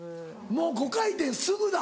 もう５回転すぐだ。